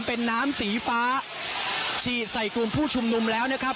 เป็นน้ำสีฟ้าฉีดใส่กลุ่มผู้ชุมนุมแล้วนะครับ